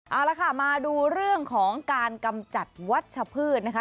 เอาละค่ะมาดูเรื่องของการกำจัดวัชพืชนะคะ